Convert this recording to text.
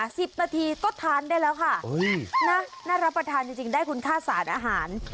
สิบนาทีก็ทานได้แล้วค่ะอุ้ยน่ารับประทานจริงจริงได้คุณค่าสารอาหาร